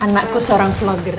anakku seorang vlogger